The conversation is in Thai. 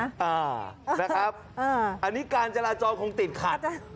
อ่านะครับอันนี้การจราจรคงติดขัด